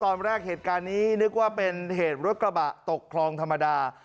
ตอนแรกเหตุการณ์นี้นึกว่าเป็นเหตุรถกระบะตกคลองธรรมดา